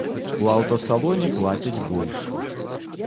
У аўтасалоне плацяць больш.